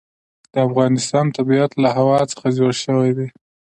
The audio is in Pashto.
د افغانستان طبیعت له هوا څخه جوړ شوی دی.